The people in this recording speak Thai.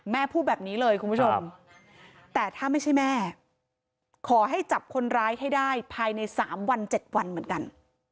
แม่พูดแบบนี้เลยคุณผู้ชมแต่ถ้าไม่ใช่แม่ขอให้จับคนร้ายให้ได้ภายใน๓วัน๗วันเหมือนกัน